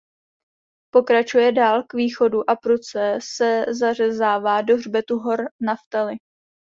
Pokračuje dál k východu a prudce se zařezává do hřbetu hor Naftali.